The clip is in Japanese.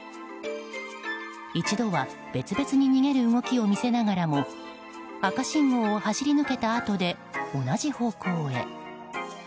一度は別々に逃げる動きを見せながらも赤信号を走り抜けたあとで同じ方向へ。